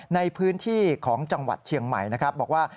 ในพื้นที่ของจังหวัดเชียงใหม่นะครับบอกว่า